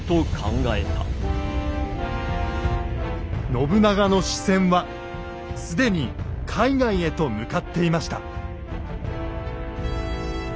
信長の視線は既に海外へと向かっていました。